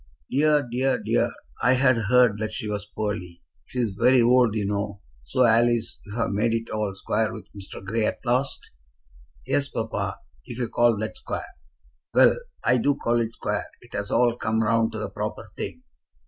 "Dear, dear, dear! I had heard that she was poorly. She is very old, you know. So, Alice, you've made it all square with Mr. Grey at last?" "Yes, papa; if you call that square." "Well; I do call it square. It has all come round to the proper thing."